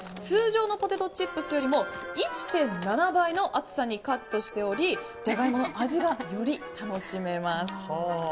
通常のポテトチップスよりも１．７倍の厚さにカットしておりジャガイモの味がより楽しめます。